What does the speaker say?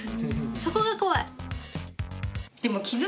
そこが怖い。